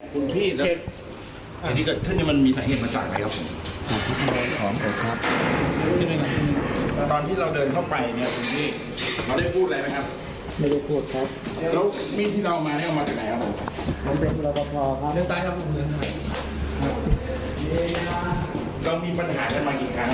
หายใจไหมครับว่าไปแล้วนะครับ